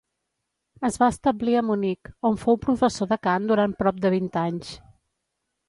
Es va establir a Munic, on fou professor de cant durant prop de vint anys.